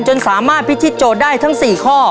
จนสามารถพิธีโจทย์ได้ทั้ง๔ข้อ